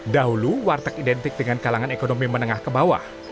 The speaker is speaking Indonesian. dahulu warteg identik dengan kalangan ekonomi menengah ke bawah